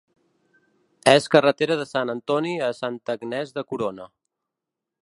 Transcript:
És carretera de Sant Antoni a Santa Agnès de Corona.